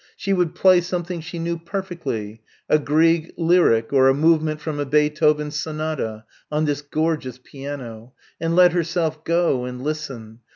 She would play something she knew perfectly, a Grieg lyric or a movement from a Beethoven Sonata ... on this gorgeous piano ... and let herself go, and listen.